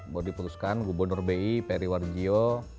baru diputuskan gubernur bi periwar gio